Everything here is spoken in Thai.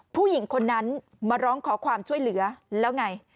ผู้หญิงคนนั้นมาร้องขอความช่วยเหลือแล้วไง